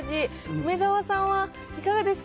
梅沢さんはいかがですか？